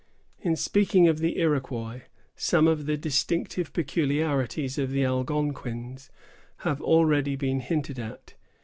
In speaking of the Iroquois, some of the distinctive peculiarities of the Algonquins have already been hinted at.